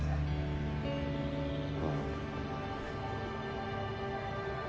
うん。